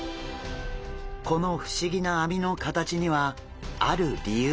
この不思議な網の形にはある理由が。